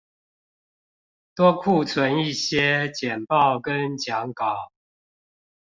多庫存一些簡報跟講稿